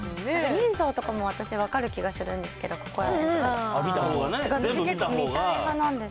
人相とかも私、分かる気がするんですけど、ここらへんとかで。